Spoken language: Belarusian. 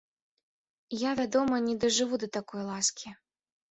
Я, вядома, не дажыву да такой ласкі.